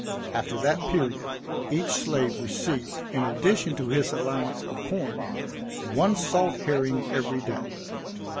After that period, each slave received, in addition to his allowance of corn, one salt herring every day.